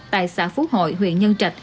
tại xã phú hội huyện nhân trạch